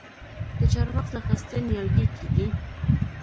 د چهارمغز له خستې نیالګی کیږي؟